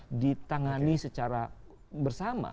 semua harus ditangani secara bersama